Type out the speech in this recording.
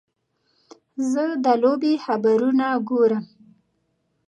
زه د لوبې خبرونه ګورم.